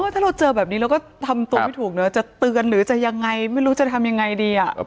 ถ้าเราเจอแบบนี้เราก็ทำตัวไม่ถูกเนอะจะเตือนหรือจะยังไงไม่รู้จะทำยังไงดี